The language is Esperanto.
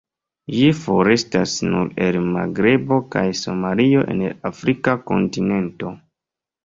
Ĝi forestas nur el Magrebo kaj Somalio en la afrika kontinento.